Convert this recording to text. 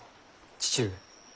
父上。